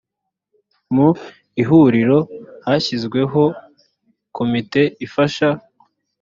mu ihuriro hashyizweho komite ifasha